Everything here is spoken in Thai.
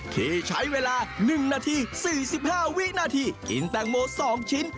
ที่ใช้เวลา๑นาที๔๕วินาทีกินแตงโม๒ชิ้น